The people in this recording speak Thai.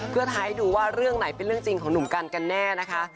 เพื่อท้ายดูว่าเรื่องไหนเป็นเรื่องจริงของหนุ่มกันกันแน่นะคะ